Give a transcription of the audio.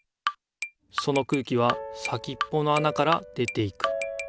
その空気は先っぽのあなから出ていく。